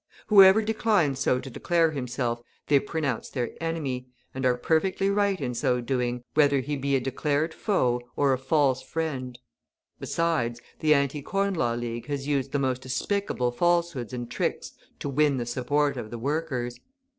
Whoever declines so to declare himself they pronounce their enemy, and are perfectly right in so doing, whether he be a declared foe or a false friend Besides, the Anti Corn Law League has used the most despicable falsehoods and tricks to win the support of the workers.